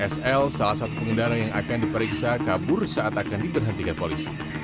sl salah satu pengendara yang akan diperiksa kabur saat akan diberhentikan polisi